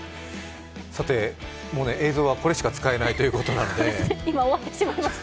もう映像はこれしか使えないということなので今、終わってしまいました。